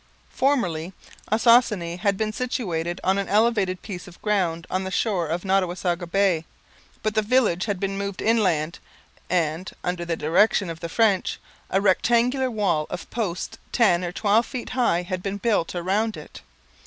Formerly Ossossane had been situated on an elevated piece of ground on the shore of Nottawasaga Bay; but the village had been moved inland and, under the direction of the French, a rectangular wall of posts ten or twelve feet high had been built around it.